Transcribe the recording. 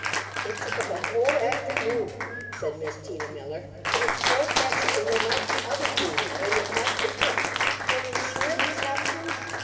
"It took up a whole afternoon," said Miss Tina Miller, "but it's so precious and there might be other blue ware and it might get mixed you'll insure it, Miss Hopkins?